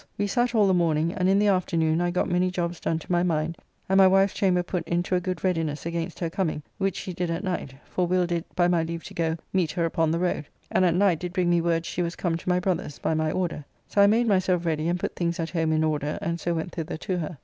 We sat all the morning, and in the afternoon I got many jobbs done to my mind, and my wife's chamber put into a good readiness against her coming, which she did at night, for Will did, by my leave to go, meet her upon the road, and at night did bring me word she was come to my brother's, by my order. So I made myself ready and put things at home in order, and so went thither to her.